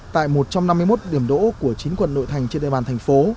tại một trăm năm mươi một điểm đỗ của chín quận nội thành trên địa bàn thành phố